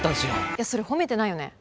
いやそれ褒めてないよね。